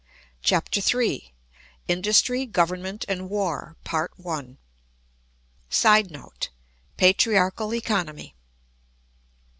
CHAPTER III INDUSTRY, GOVERNMENT, AND WAR [Sidenote: Patriarchal economy.